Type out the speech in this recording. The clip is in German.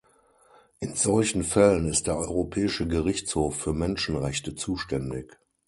In solchen Fällen ist der Europäische Gerichtshof für Menschenrechte zuständig.